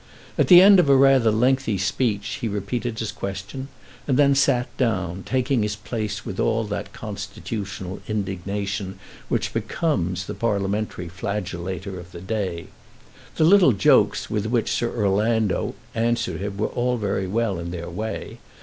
At the end of a rather lengthy speech, he repeated his question, and then sat down, taking his place with all that constitutional indignation which becomes the parliamentary flagellator of the day. The little jokes with which Sir Orlando answered him were very well in their way.